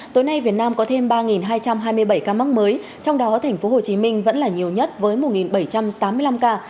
tối nay việt nam có thêm ba hai trăm hai mươi bảy ca mắc mới trong đó tp hcm vẫn là nhiều nhất với một bảy trăm tám mươi năm ca